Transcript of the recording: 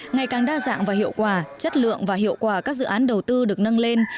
ngày càng đa dạng và hiệu quả chất lượng và hiệu quả các dự án đầu tư được nâng lên